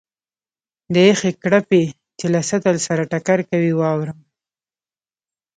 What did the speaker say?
د یخې کړپی چې له سطل سره ټکر کوي، واورم.